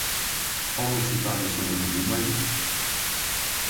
Qual é o resultado da soma de um mais um?